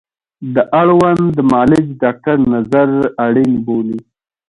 د اړوند معالج ډاکتر نظر اړین بولي